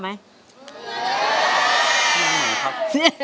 ไม่เหมือนครับ